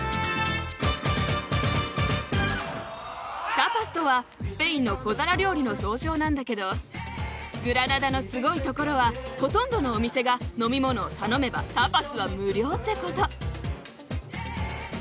タパスとはスペインの小皿料理の総称なんだけどグラナダのすごいところはほとんどのお店が飲み物を頼めばタパスは無料って事。